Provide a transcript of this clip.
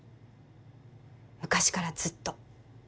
昔からずっと。